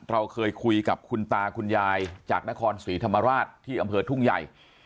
เราเคยคุยกับคุณตาคุณยายจากนครศรีธรรมราชที่อำเภอทุ่งใหญ่